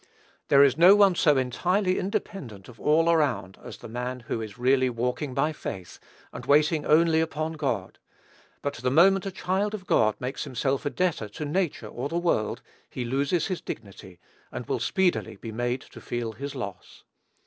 There is no one so entirely independent of all around as the man who is really walking by faith, and waiting only upon God; but the moment a child of God makes himself a debtor to nature or the world, he loses his dignity, and will speedily be made to feel his loss.